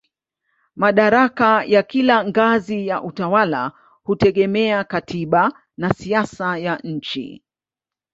Madaraka ya kila ngazi ya utawala hutegemea katiba na siasa ya nchi.